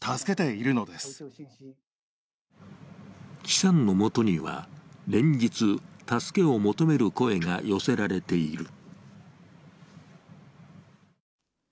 季さんの元には連日、助けを求める声が寄せられている。